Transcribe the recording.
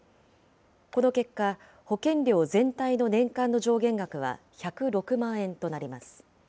この結果、保険料全体の年間の上限額は１０６万円となります。